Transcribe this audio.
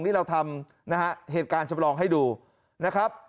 นี่เราทำนะฮะเหตุการณ์จำลองให้ดูนะครับ